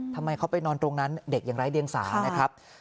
ทำไมเขาไปนอนตรงนั้นเด็กอย่างไร้เดียงสานะครับ